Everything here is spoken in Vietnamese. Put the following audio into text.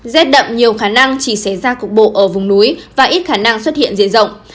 z đậm nhiều khả năng chỉ xé ra cục bộ ở vùng núi và ít khả năng xuất hiện dễ dọng